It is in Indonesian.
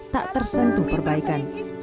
tak tersentuh perbaikan